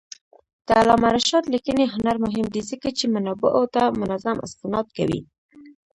د علامه رشاد لیکنی هنر مهم دی ځکه چې منابعو ته منظم استناد کوي.